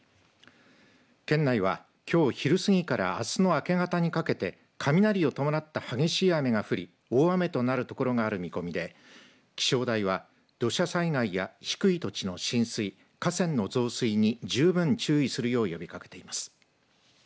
県内はきょう昼過ぎからあすの明け方にかけて雷を伴った激しい雨が降り大雨となるところがある見込みで気象台は土砂災害や低い土地の浸水河川の増水に十分注意するよう呼びかけています。